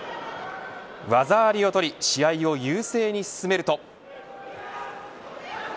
技ありを取り試合を優勢に進めると。